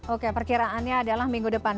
oke perkiraannya adalah minggu depan